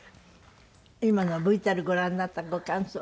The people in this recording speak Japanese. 今のＶＴＲご覧になったご感想。